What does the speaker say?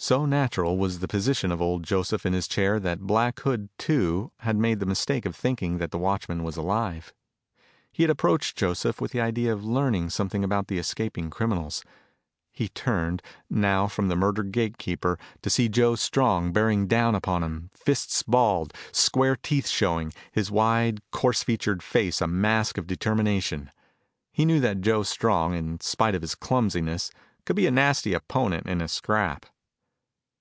So natural was the position of old Joseph in his chair that Black Hood, too, had made the mistake of thinking that the watchman was alive. He had approached Joseph with the idea of learning something about the escaping criminals. He turned, now, from the murdered gate keeper to see Joe Strong bearing down upon him, fists balled, square teeth showing, his wide, coarse featured face a mask of determination. He knew that Joe Strong, in spite of his clumsiness, could be a nasty opponent in a scrap.